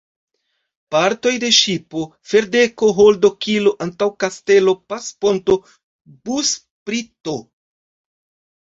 Partoj de ŝipo: ferdeko, holdo, kilo, antaŭkastelo, paŝponto, busprito.